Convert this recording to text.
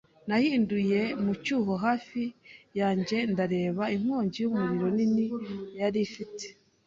Nahindukiye mu cyuho hafi yanjye ndareba. Inkongi y'umuriro nini yari ifite